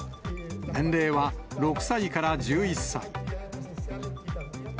年齢は６歳から１１歳。